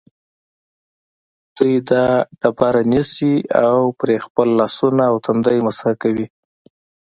دوی دا ډبره نیسي او پرې خپل لاسونه او تندی مسح کوي.